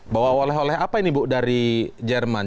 bawa oleh oleh apa ini bu dari jerman